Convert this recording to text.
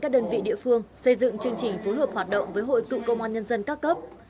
các đơn vị địa phương xây dựng chương trình phối hợp hoạt động với hội cựu công an nhân dân các cấp